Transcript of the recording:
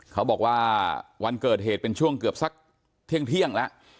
เขาบอกว่าวันเกิดเหตุเป็นช่วงเกือบสักเที่ยงแล้ว